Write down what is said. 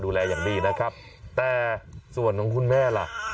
เบื้องต้น๑๕๐๐๐และยังต้องมีค่าสับประโลยีอีกนะครับถึง๗๕๐๐บาทผมว่าไปติดตามคลิปนี้กันหน่อยนะครับ